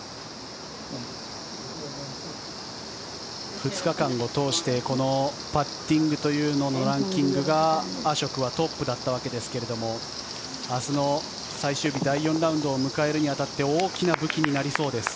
２日間を通してこのパッティングのランキングがアショクはトップだったわけですけど明日の最終日第４ラウンドを迎えるに当たって大きな武器になりそうです。